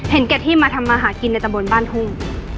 เห็นแก่ที่มาทำอาหกินในตำบลบ้านท่วง